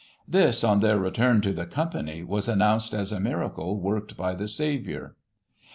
This, on their return to the company, was announced as a miracle worked by the Saviour.